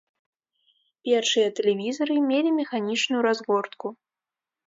Першыя тэлевізары мелі механічную разгортку.